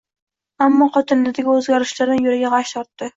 Ammo xotinidagi o`zgarishlardan yuragi g`ash tortdi